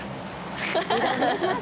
お願いします。